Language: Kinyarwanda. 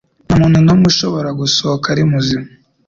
Nta muntu n'umwe ushobora gusohoka ari muzima. ”